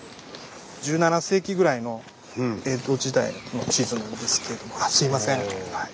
１７世紀ぐらいの江戸時代の地図なんですけれどもあっすいません。